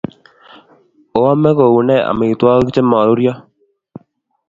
Oame kou ne amitwogik che maruryo?